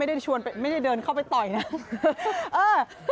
ไม่ได้ชวนไม่ได้เดินเข้าไปต่อยนะ